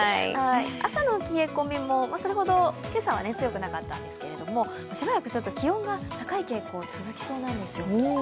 朝の冷え込み、今朝はそれほど強くなかったんですが、しばらく気温が高い傾向続きそうなんですよ。